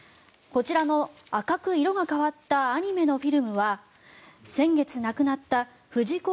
こちらの赤く色が変わったアニメのフィルムは先月、亡くなった藤子